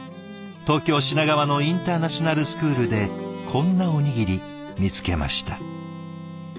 東京・品川のインターナショナルスクールでこんなおにぎり見つけました。